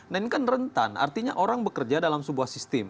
nah ini kan rentan artinya orang bekerja dalam sebuah sistem